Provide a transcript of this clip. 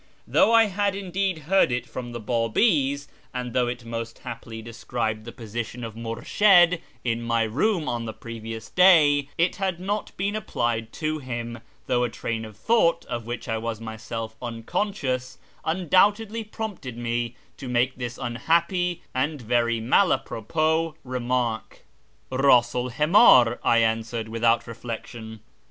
Thou^di I had indeed heard it from the Babis, and though it most happily described the sh/rAz 275 position of Mursliid in my room on the previous day, it had not been applied to him, though a train of thought, of which I was myself unconscious, undoubtedly prompted me to make this unhappy and very mal a propos remark. "' Bc'tsu 'l himdr^ " I answered, without reflection.